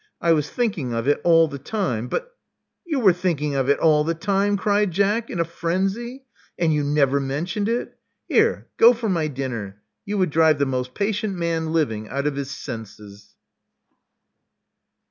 I was thinking of it all the time; but " You were thinking of it all the time!" cried Jack, in a frenzy. And you never mentioned it! Here go for my dinner. You would drive the most patient man living out of his senses."